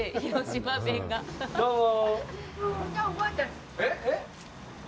どうも。